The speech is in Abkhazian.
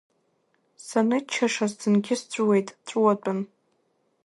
Саныччашаз зынгьы сҵәуеит, ҵәуатәын.